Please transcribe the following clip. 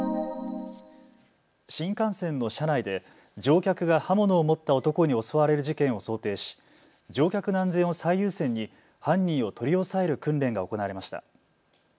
新幹線の車内で乗客が刃物を持った男に襲われる事件を想定し乗客の安全を最優先に犯人を取り押さえる訓練が行われました。